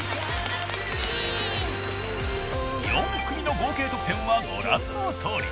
４組の合計得点はご覧のとおり。